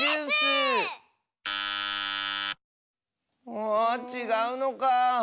あちがうのか。